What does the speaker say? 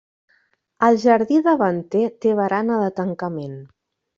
El jardí davanter té barana de tancament.